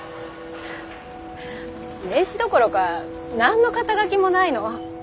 名刺どころか何の肩書もないの。